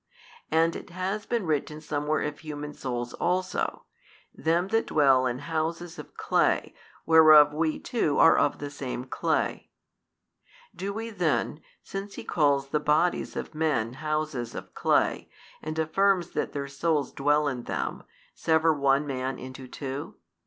And it has been written somewhere of human souls also, Them that dwell in houses of clay, whereof we too are of the same clay. Do we then, since he calls the bodies of men houses of clay, and affirms that their souls dwell in them, sever one man into two?